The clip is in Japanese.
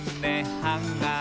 ハンガー